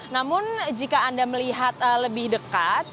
namun jika anda melihat lebih dekat